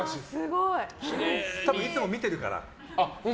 多分いつも見てるから。